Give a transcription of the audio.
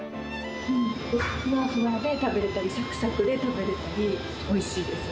ふわふわで食べれたり、さくさくで食べれたり、おいしいです。